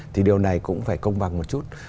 thì điều này cũng phải công bằng một chút